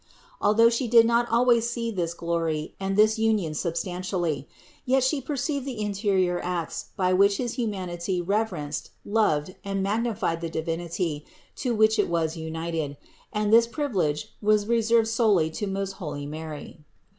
Although She did not always see this glory and this union substantially; yet She perceived the interior acts by which his humanity reverenced, loved and magnified the Divinity to which it was united; and this privilege was reserved solely to most holy Mary.